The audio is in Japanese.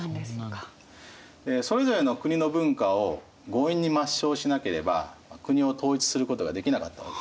それぞれの国の文化を強引に抹消しなければ国を統一することができなかったわけですね。